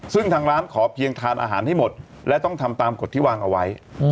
ซึ่งทางร้านขอเพียงทานอาหารให้หมดและต้องทำตามกฎที่วางเอาไว้